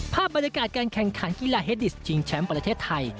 ภาพบรรยากาศการแข่งขันกีฬาเฮดดิสชิงแชมป์ประเทศไทย